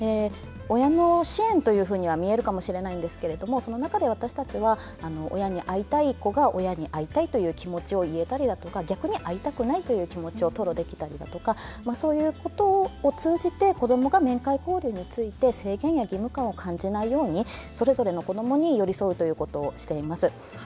親の支援というふうには見えるかもしれないんですけどその中で私たちは親に会いたい子が親に会いたいっていう気持ちを言えたりだとか逆に会いたくないっていう気持ちを吐露できたりそういうことを通じて子どもが面会交流について制限や義務感を感じないようそれぞれの子どもに寄り添うことをしています。